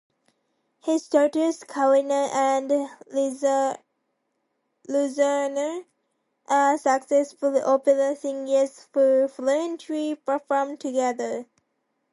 His daughters Karina and Ruzanna are successful opera singers who frequently perform together.